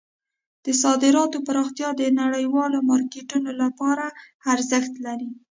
د صادراتو پراختیا د نړیوالو مارکیټونو لپاره ارزښت لري.